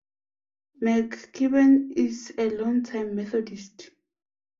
McKibben is a long-time Methodist.